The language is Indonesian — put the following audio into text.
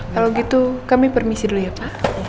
kalau gitu kami permisi dulu ya pak